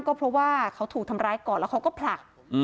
ก็เพราะว่าเขาถูกทำร้ายก่อนแล้วเขาก็ผลัก